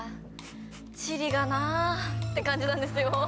地理がなって感じなんですよ。